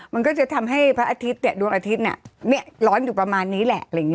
มันก็จะทำให้พระอาทิตย์แตะดวงอาทิตย์ร้อนอยู่ประมาณนี้แหละ